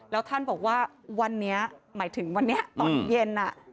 แล้วท่านบอกว่าวันนี้หมายถึงวันนี้ตอนเย็น